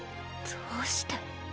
どうして？